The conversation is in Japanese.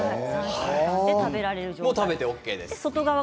もう食べてＯＫです。